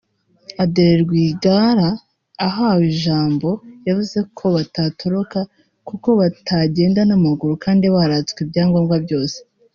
Adeline Rwigara ahawe ijambo yavuze ko batatoroka kuko batagenda n’amaguru kandi baratswe ibyangombwa byose